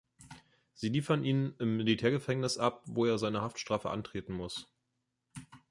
Sie liefern ihn im Militärgefängnis ab, wo er seine Haftstrafe antreten muss.